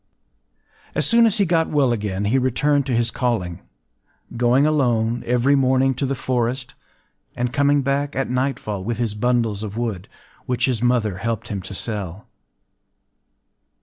As soon as he got well again, he returned to his calling,—going alone every morning to the forest, and coming back at nightfall with his bundles of wood, which his mother helped him to sell.